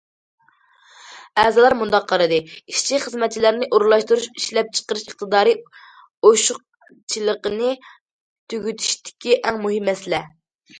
ئەزالار مۇنداق قارىدى: ئىشچى- خىزمەتچىلەرنى ئورۇنلاشتۇرۇش ئىشلەپچىقىرىش ئىقتىدارى ئوشۇقچىلىقىنى تۈگىتىشتىكى ئەڭ مۇھىم مەسىلە.